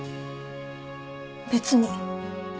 別に。